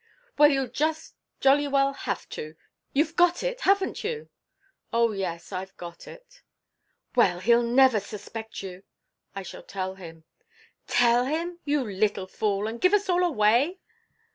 "Well, you'll just jolly well have to. You've got it, haven't you?" "Oh, yes, I've got it!" "Well, he'll never suspect you." "I shall tell him." "Tell him? You little fool. And give us all away?"